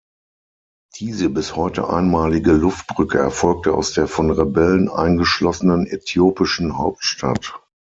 Diese bis heute einmalige Luftbrücke erfolgte aus der von Rebellen eingeschlossenen äthiopischen Hauptstadt.